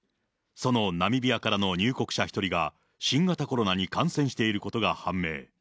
そのナミビアからの入国者１人が、新型コロナに感染していることが判明。